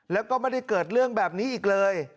แล้วก็ไม่ได้เกิดเรื่องแบบนี้อีกเลย